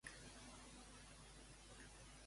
Em punxes música rock al pati?